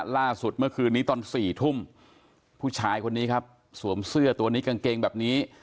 ล่าสุดเมื่อคืนนี้ตอน๔ทุ่มผู้ชายคนนี้ครับสวมเสื้อตัวนี้กางเกงแบบนี้